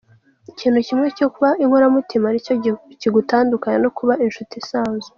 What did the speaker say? Ikintu kimwe cyo kuba inkoramutima nicyo kigutandukanya no kuba inshuti isanzwe.